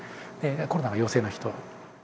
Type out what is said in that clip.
コロナが陽性の人。